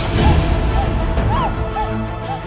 ya ampun apaan